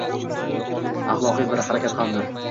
axloqiy bir harakat hamdir.